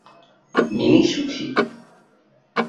Mini সুখী।